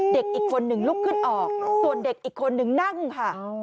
เด็กอีกคนหนึ่งลุกขึ้นออกส่วนเด็กอีกคนนึงนั่งค่ะ